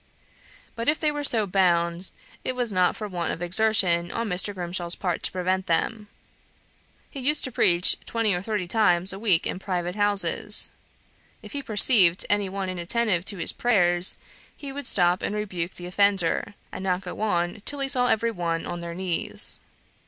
'" But if they were so bound, it was not for want of exertion on Mr. Grimshaw's part to prevent them. He used to preach twenty or thirty times a week in private houses. If he perceived any one inattentive to his prayers, he would stop and rebuke the offender, and not go on till he saw every one on their knees.